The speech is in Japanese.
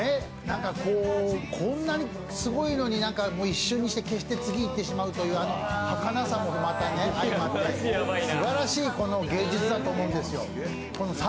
こんなにすごいのに、一瞬にして消して次いってしまうというはかなさもまた相まってすばらしい芸術だと思うんですよ。